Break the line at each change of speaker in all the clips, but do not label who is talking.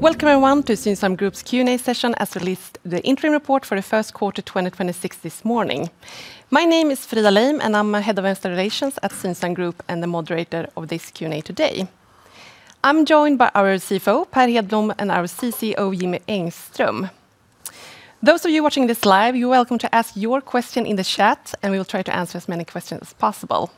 Welcome, everyone, to Synsam Group's Q&A session as released the interim report for the first quarter 2026 this morning. My name is Frida Leim, and I'm head of investor relations at Synsam Group and the moderator of this Q&A today. I'm joined by our CFO, Per Hedblom, and our CCO, Jimmy Engström. Those of you watching this live, you're welcome to ask your question in the chat, and we will try to answer as many questions as possible.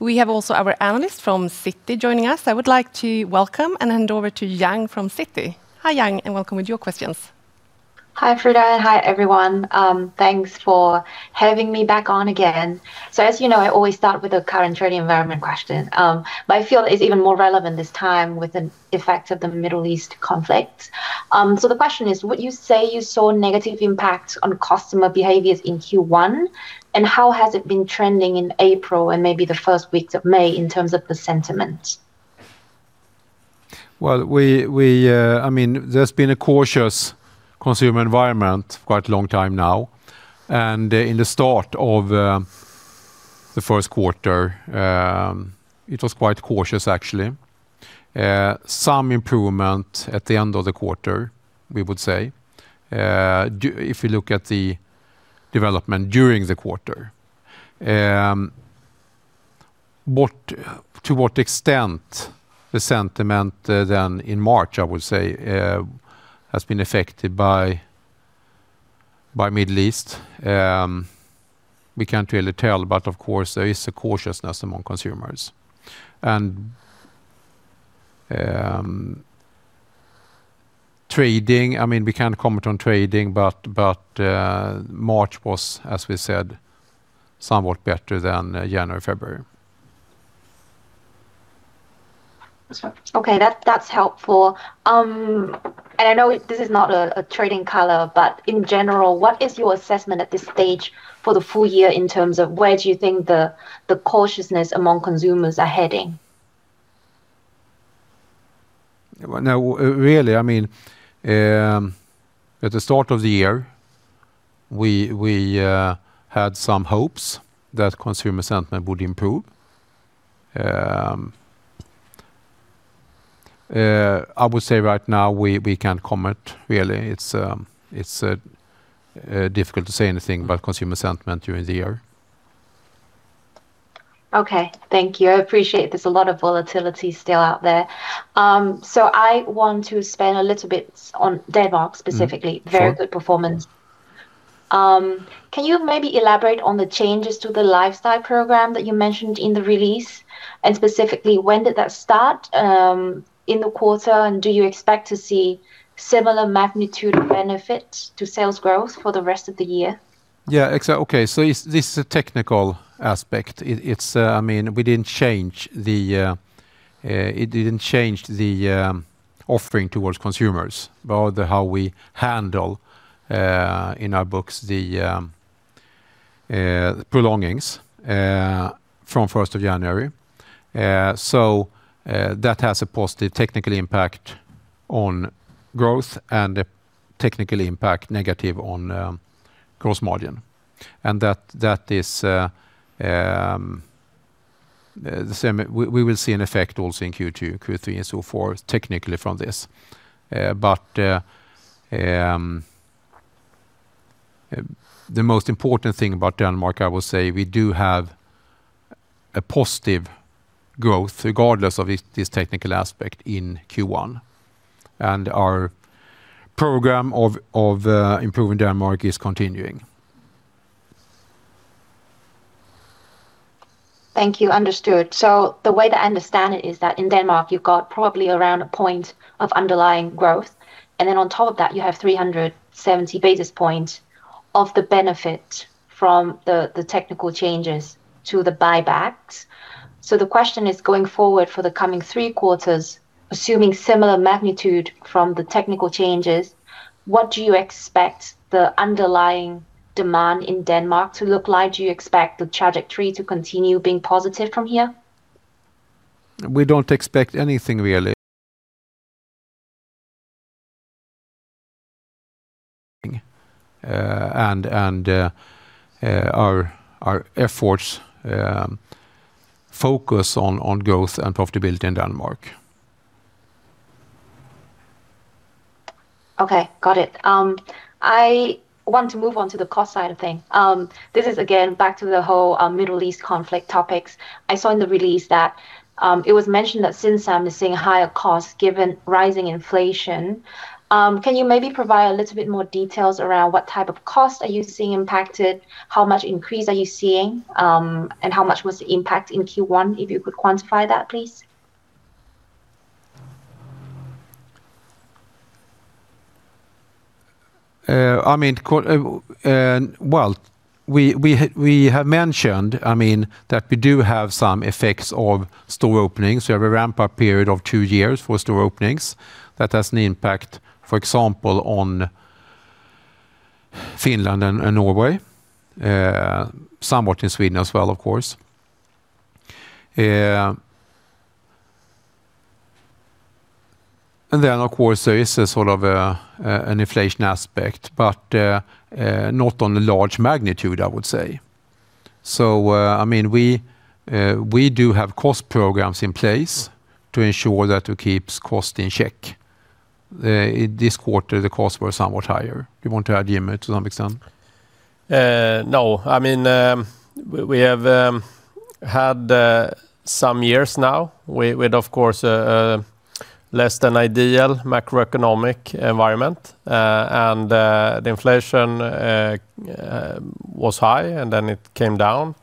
We have also our analyst from Citi joining us. I would like to welcome and hand over to Yang from Citi. Hi, Yang, and welcome with your questions.
Hi, Frida, and hi, everyone. Thanks for having me back on again. As you know, I always start with a current trading environment question. I feel it's even more relevant this time with an effect of the Middle East conflict. The question is: would you say you saw negative impact on customer behaviors in Q1? How has it been trending in April and maybe the first weeks of May in terms of the sentiment?
Well, we, I mean, there's been a cautious consumer environment quite a long time now. In the start of Q1, it was quite cautious actually. Some improvement at the end of the quarter, we would say. If you look at the development during the quarter. To what extent the sentiment then in March, I would say, has been affected by Middle East, we can't really tell. Of course there is a cautiousness among consumers. Trading, I mean, we can't comment on trading but March was, as we said, somewhat better than January, February.
Okay, that's helpful. I know this is not a trading color, but in general, what is your assessment at this stage for the full year in terms of where do you think the cautiousness among consumers are heading?
Well, no, really, I mean, at the start of the year, we had some hopes that consumer sentiment would improve. I would say right now we can't comment really. It's difficult to say anything about consumer sentiment during the year.
Okay. Thank you. I appreciate there is a lot of volatility still out there. I want to spend a little bit on Denmark specifically.
Mm-hmm. Sure.
Very good performance. Can you maybe elaborate on the changes to the lifestyle program that you mentioned in the release? Specifically, when did that start in the quarter? Do you expect to see similar magnitude benefit to sales growth for the rest of the year?
Yeah. Okay. This is a technical aspect. It's, I mean, we didn't change the, it didn't change the offering towards consumers, but how we handle in our books the prolongings from 1st of January. That has a positive technical impact on growth and a technical impact negative on gross margin. That is the same. We will see an effect also in Q2, Q3 and so forth, technically from this. The most important thing about Denmark, I would say we do have a positive growth regardless of this technical aspect in Q1. Our program of improving Denmark is continuing.
Thank you. Understood. The way that I understand it is that in Denmark you've got probably around a point of underlying growth, and then on top of that you have 370 basis points of the benefit from the technical changes to the buybacks. The question is going forward for the coming three quarters, assuming similar magnitude from the technical changes, what do you expect the underlying demand in Denmark to look like? Do you expect the trajectory to continue being positive from here?
We don't expect anything really. Our efforts focus on growth and profitability in Denmark.
Okay. Got it. I want to move on to the cost side of things. This is again back to the whole Middle East conflict topics. I saw in the release that it was mentioned that Synsam is seeing higher costs given rising inflation. Can you maybe provide a little bit more details around what type of cost are you seeing impacted? How much increase are you seeing? How much was the impact in Q1? If you could quantify that, please.
I mean, well, we have mentioned, I mean, that we do have some effects of store openings. We have a ramp up period of two years for store openings. That has an impact, for example, on Finland and Norway. Somewhat in Sweden as well, of course. Of course there is a sort of an inflation aspect, but not on a large magnitude, I would say. I mean, we do have cost programs in place to ensure that it keeps cost in check. This quarter, the costs were somewhat higher. You want to add, Jimmy, to that extent?
No. I mean, we have had some years now with of course, a less than ideal macroeconomic environment. The inflation was high, and then it came down.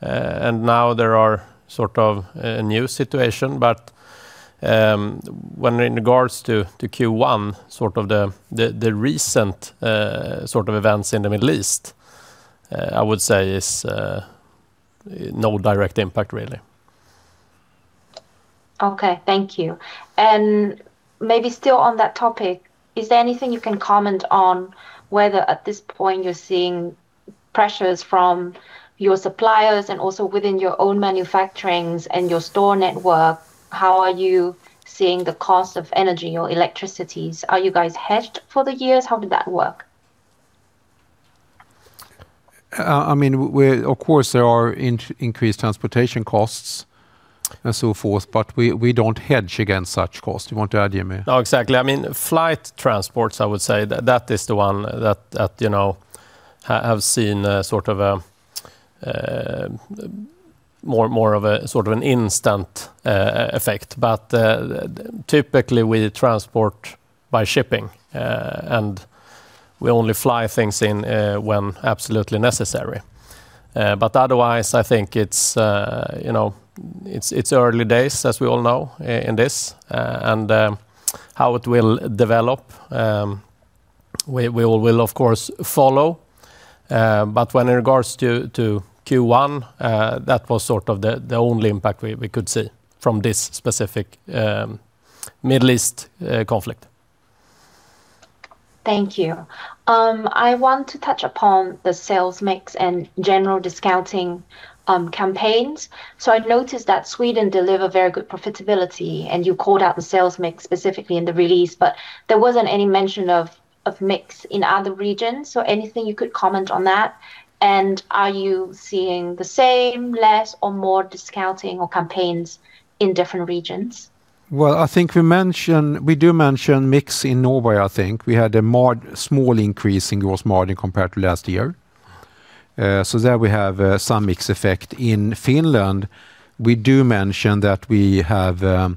Now there are sort of a new situation. When in regards to Q1, sort of the recent events in the Middle East, I would say is no direct impact really.
Okay. Thank you. Maybe still on that topic, is there anything you can comment on whether at this point you're seeing pressures from your suppliers and also within your own manufacturing and your store network, how are you seeing the cost of energy or electricity? Are you guys hedged for the years? How did that work?
I mean, of course there are increased transportation costs and so forth, but we don't hedge against such costs. You want to add, Jimmy?
No, exactly. I mean, flight transports, I would say that that is the one that, you know, have seen a sort of an instant effect. Typically we transport by shipping, and we only fly things in when absolutely necessary. Otherwise I think it's, you know, it's early days as we all know in this. How it will develop, we will, we'll of course follow. When in regards to Q1, that was sort of the only impact we could see from this specific Middle East conflict.
Thank you. I want to touch upon the sales mix and general discounting campaigns. I noticed that Sweden deliver very good profitability, and you called out the sales mix specifically in the release, but there wasn't any mention of mix in other regions. Anything you could comment on that? Are you seeing the same, less or more discounting or campaigns in different regions?
Well, I think we do mention mix in Norway, I think. We had a small increase in gross margin compared to last year. There we have some mix effect. In Finland, we do mention that we have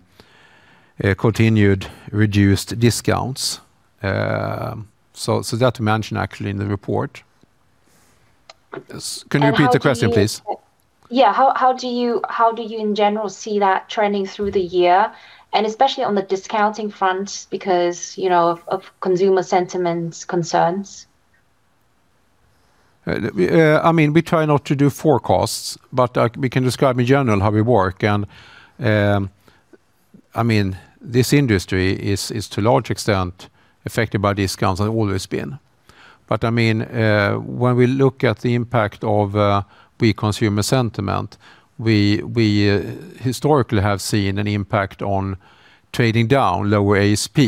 continued reduced discounts. That we mentioned actually in the report.
And how do you-
Can you repeat the question please?
Yeah. How do you in general see that trending through the year, and especially on the discounting front because, you know, of consumer sentiments concerns?
We, I mean, we try not to do forecasts, but we can describe in general how we work. I mean, this industry is to large extent affected by discounts and always been. I mean, when we look at the impact of the consumer sentiment, we historically have seen an impact on trading down lower ASP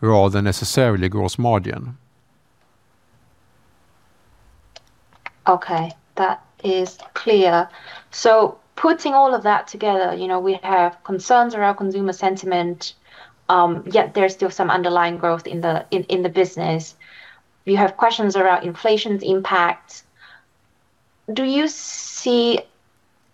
rather than necessarily gross margin.
Okay. That is clear. Putting all of that together, you know, we have concerns around consumer sentiment, yet there's still some underlying growth in the business. We have questions around inflation's impact. Do you see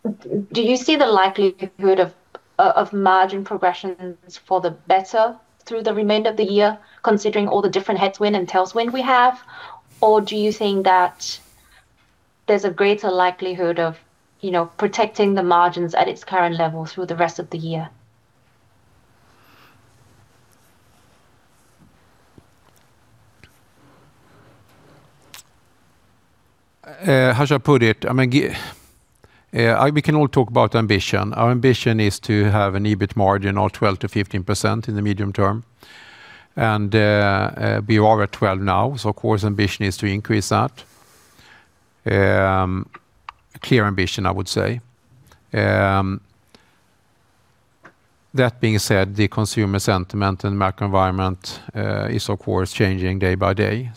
the likelihood of margin progressions for the better through the remainder of the year, considering all the different headwind and tailwind we have? Do you think that there's a greater likelihood of, you know, protecting the margins at its current level through the rest of the year?
How should I put it? I mean, we can all talk about ambition. Our ambition is to have an EBIT margin of 12%-15% in the medium term. We are at 12% now, of course ambition is to increase that. Clear ambition, I would say. That being said, the consumer sentiment and macro environment is of course changing day by day.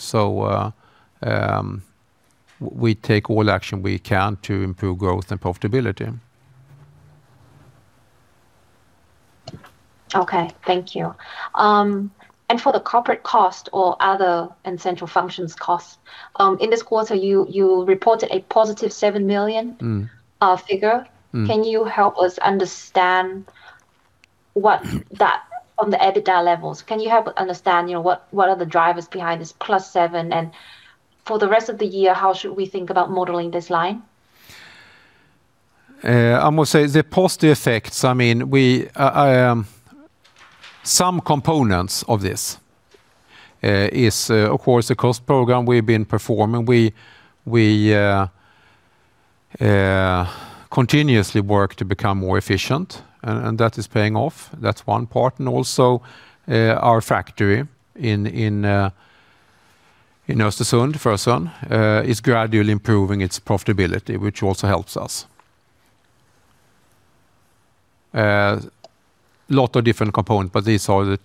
We take all action we can to improve growth and profitability.
Okay. Thank you. For the corporate cost or other and central functions costs, in this quarter, you reported a +7 million figure. Can you help us understand what that on the EBITDA levels, you know, what are the drivers behind this +7? For the rest of the year, how should we think about modeling this line?
I must say the post effects, I mean, we, some components of this, is, of course the cost program we've been performing. We continuously work to become more efficient and that is paying off. That's one part. Also, our factory in Östersund, Frösön, is gradually improving its profitability, which also helps us. Lot of different component, these are the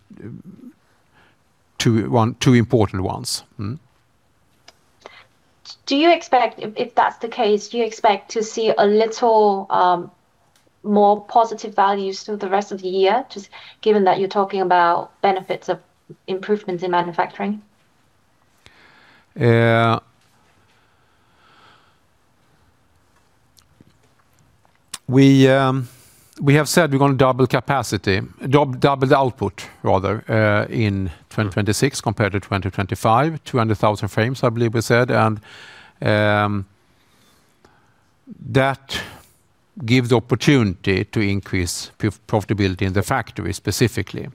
two, one, two important ones.
If that's the case, do you expect to see a little more positive values through the rest of the year, just given that you're talking about benefits of improvements in manufacturing?
We have said we're gonna double capacity, double the output rather, in 2026 compared to 2025. 200,000 frames, I believe we said and, that gives the opportunity to increase profitability in the factory specifically.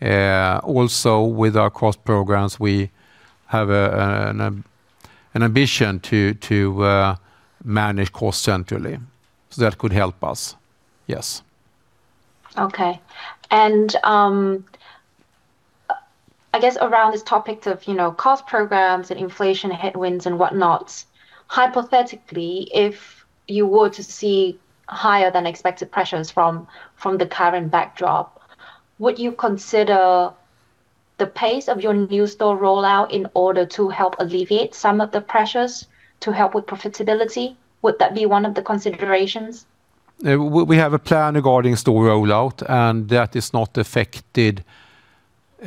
Also with our cost programs, we have an ambition to manage cost centrally, so that could help us. Yes.
Okay. I guess around this topic of, you know, cost programs and inflation headwinds and whatnot, hypothetically, if you were to see higher than expected pressures from the current backdrop, would you consider the pace of your new store rollout in order to help alleviate some of the pressures to help with profitability? Would that be one of the considerations?
We have a plan regarding store rollout, and that is not affected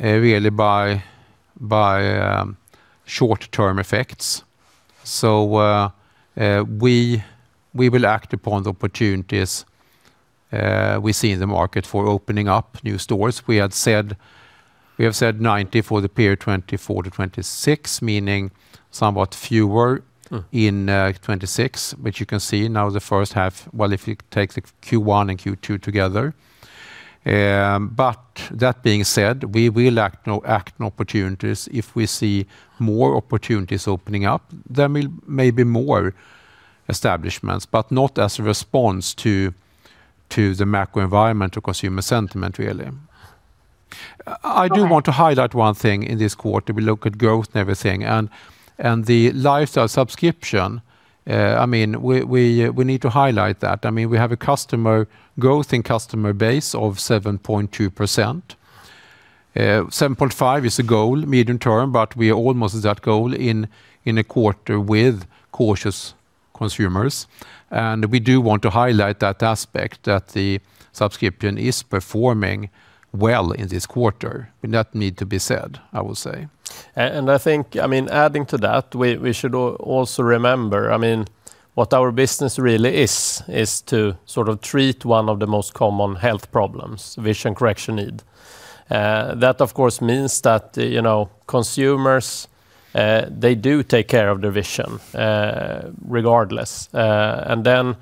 really by short-term effects. We will act upon the opportunities we see in the market for opening up new stores. We have said 90 for the period 2024 to 2026 meaning somewhat fewer in 2026, which you can see now the first half, well, if you take the Q1 and Q2 together. That being said, we will act on opportunities. If we see more opportunities opening up, there may be more establishments, but not as a response to the macro environment or consumer sentiment really.
All right.
I do want to highlight 1 thing in this quarter. We look at growth and everything and the Lifestyle subscription, I mean, we need to highlight that. I mean, we have a customer growth in customer base of 7.2%. 7.5% is the goal medium term, but we are almost at that goal in a quarter with cautious consumers, and we do want to highlight that aspect that the subscription is performing well in this quarter, and that need to be said, I will say.
I think, I mean, adding to that, we should also remember, I mean, what our business really is to sort of treat one of the most common health problems, vision correction need. That of course means that, you know, consumers, they do take care of their vision, regardless. Then,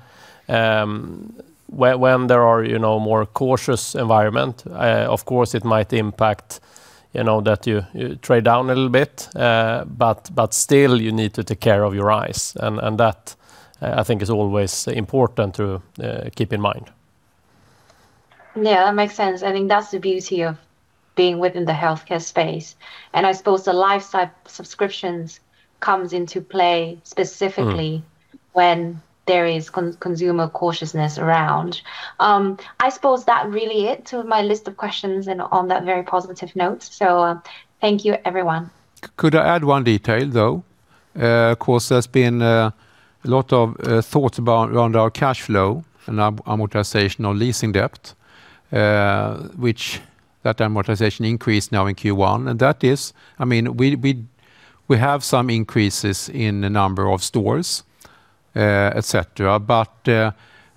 when there are, you know, more cautious environment, of course, it might impact, you know, that you trade down a little bit. Still you need to take care of your eyes and that, I think is always important to keep in mind.
Yeah, that makes sense. I think that's the beauty of being within the healthcare space, and I suppose the Lifestyle subscriptions comes into play specifically. when there is consumer cautiousness around. I suppose that really it to my list of questions and on that very positive note. Thank you everyone.
Could I add one detail though? Of course, there's been a lot of thought about around our cash flow and amortization or leasing debt, which that amortization increased now in Q1 and that is I mean, we have some increases in the number of stores, et cetera.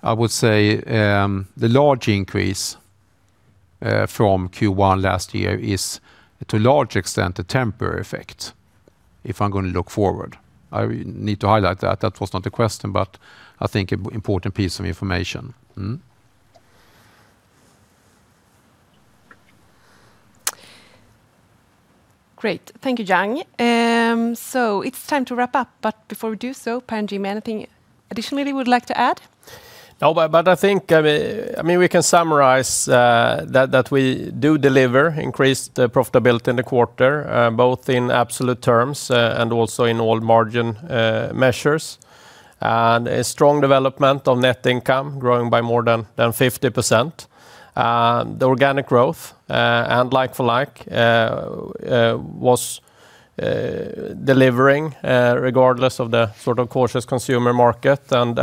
I would say the large increase from Q1 last year is to a large extent a temporary effect, if I'm gonna look forward. I need to highlight that. That was not a question, but I think a important piece of information. Mm-hmm.
Great. Thank you, Yang Yang. It's time to wrap up, but before we do so, Per and Jimmy, anything additionally you would like to add?
But I think we can summarize that we do deliver increased profitability in the quarter, both in absolute terms, and also in all margin measures. A strong development of net income growing by more than 50%, the organic growth and like for like was delivering regardless of the sort of cautious consumer market and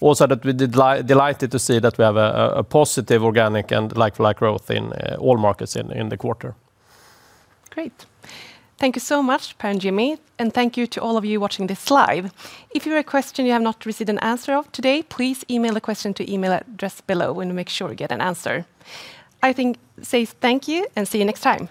also that we delighted to see that we have a positive organic and like for like growth in all markets in the quarter.
Great. Thank you so much, Per and Jimmy. Thank you to all of you watching this live. If you have a question you have not received an answer of today, please email the question to email address below. We'll make sure you get an answer. I think say thank you and see you next time.